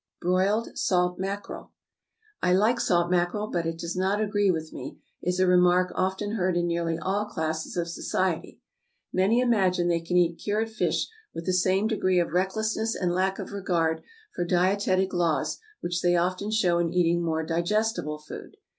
=Broiled Salt Mackerel.= "I like salt mackerel, but it does not agree with me," is a remark often heard in nearly all classes of society. Many imagine they can eat cured fish with the same degree of recklessness and lack of regard for dietetic laws which they often show in eating more digestible food.